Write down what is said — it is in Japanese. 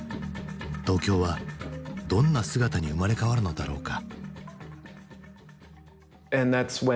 東京はどんな姿に生まれ変わるのだろうか？